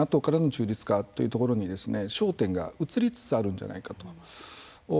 ＮＡＴＯからの中立化というところに焦点が移りつつあるんじゃないかと。